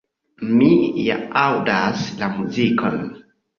Mi ja aŭdas la muzikon!”.